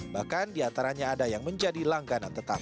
bahkan di ataranya ada yang menjadi langganan tetap